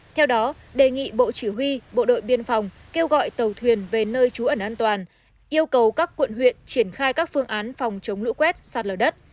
theo đó đề nghị bộ chỉ huy bộ đội biên phòng kêu gọi tàu thuyền về nơi trú ẩn an toàn yêu cầu các quận huyện triển khai các phương án phòng chống lũ quét sạt lở đất